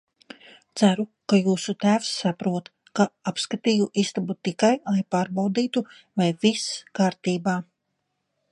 Ceru, ka jūsu tēvs saprot, ka apskatīju istabu tikai, lai pārbaudītu, vai viss kārtībā.